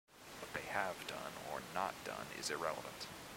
What they have done or not done is irrelevant.